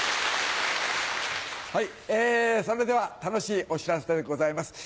それでは楽しいお知らせでございます。